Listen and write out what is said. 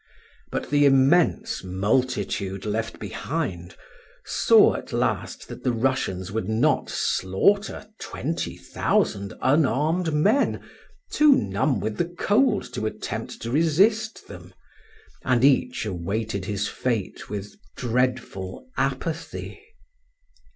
But the immense multitude left behind saw at last that the Russians would not slaughter twenty thousand unarmed men, too numb with the cold to attempt to resist them, and each awaited his fate with dreadful apathy.